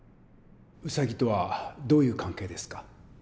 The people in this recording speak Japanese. ウサギとはどういう関係ですか？